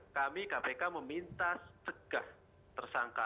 kami kpk meminta segah tersangka